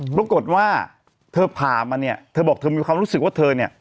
ปรากฏว่าเธอพามาเธอบอกมีความรู้สึกว่าเธอ